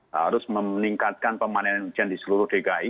harus meningkatkan pemanen hujan di seluruh dki